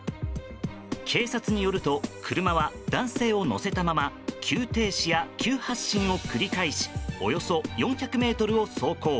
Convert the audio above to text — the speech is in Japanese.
警察によると車は男性を乗せたまま急停止や急発進を繰り返しおよそ４００ｍを走行。